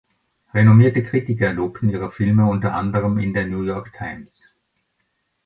Renommierte Kritiker lobten ihre Filme unter anderem in der "New York Times".